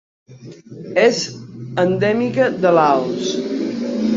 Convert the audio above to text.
És endèmica de Laos.